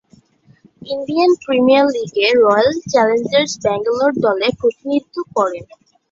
Indian Premier লীগে Royal Challengers Bangalore দলে প্রতিনিধিত্ব করেন।